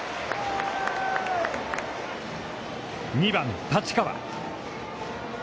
２番、太刀川。